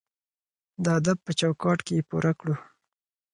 د ادب په چوکاټ کې یې پوره کړو.